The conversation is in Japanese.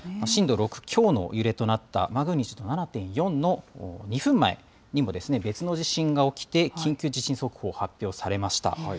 震度６強の揺れとなった、マグニチュード７．４の２分前にも別の地震が起きて、緊急地震速報、発表されました。